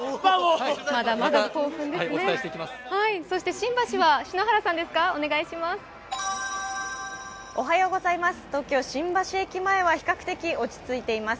新橋は篠原さん、お願いします。